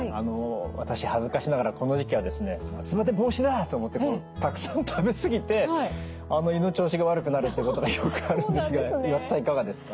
私恥ずかしながらこの時期はですね夏バテ防止だと思ってたくさん食べ過ぎて胃の調子が悪くなるってことがよくあるんですが岩田さんいかがですか？